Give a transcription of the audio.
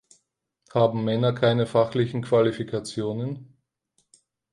Haben Männer keine fachlichen Qualifikationen?